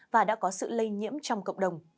và đã có sự lây nhiễm trong cộng đồng